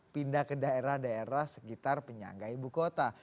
pindah ke daerah daerah sekitar penyangga ibu kota